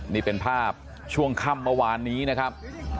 นี่เป็นภาพช่วงค่ำเมื่อวานนี้นะครับ